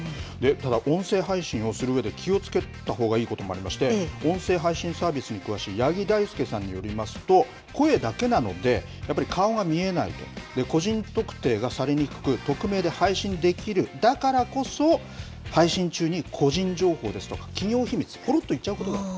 ただ、音声配信をするうえで気をつけたほうがいいこともありまして、音声配信サービスに詳しい八木太亮さんによりますと、声だけなので、やっぱり顔が見えないと、個人特定がされにくく、匿名で配信できる、だからこそ、配信中に個人情報ですとか、企業秘密、ぽろっと言っちゃうことがある。